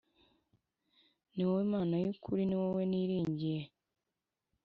ni wowe Mana y ukuri niwowe niringiye